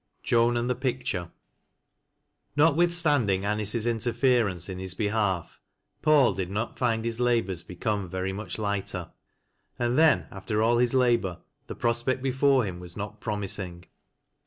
JOAIT AJJTO THE PICTUEE. NoTWjTHSTANDraG Anice's interference in his oehalf, Paul did not find his labors become very much lighter. And the» after all his labor, the prospect before him was not promising.